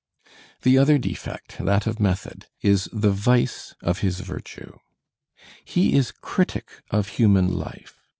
The other defect, that of method, is the vice of his virtue. He is critic of human life.